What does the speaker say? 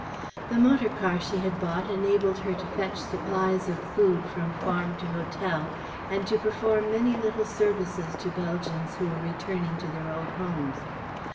The motor car she had bought enabled her to fetch supplies of food from farm to hotel and to perform many little services to Belgians who were returning to their old homes.